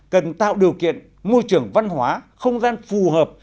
cần tạo điều kiện môi trường văn hóa không gian phù hợp